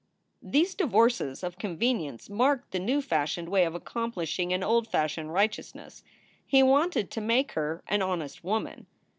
These divorces of convenience marked the new fashioned way of accomplishing an old fashioned righteousness. He wanted to make her "an honest woman."